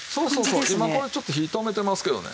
今これちょっと火止めてますけどね。